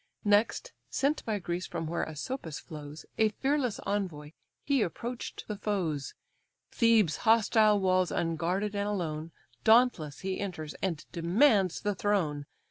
Next, sent by Greece from where Asopus flows, A fearless envoy, he approach'd the foes; Thebes' hostile walls unguarded and alone, Dauntless he enters, and demands the throne.